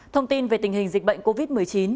thông tin về tình hình dịch bệnh covid một mươi chín